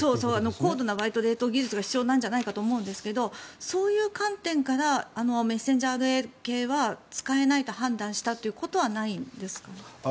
高度な冷蔵庫などが必要なのではと思いますがそういう観点からメッセンジャーＲＮＡ系は使えないと判断したということはないですか。